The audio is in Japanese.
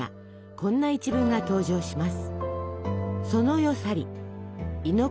こんな一文が登場します。